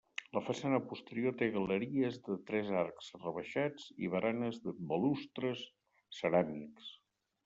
La façana posterior té galeries de tres arcs rebaixats i baranes de balustres ceràmics.